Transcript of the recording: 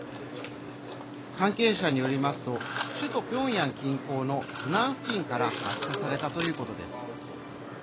関係者によりますと首都ピョンヤン近郊のスナン付近から発射されたということです。